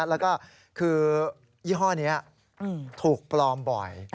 แล้วก็คือยี่ห้อนี้ถูกปลอมบ่อย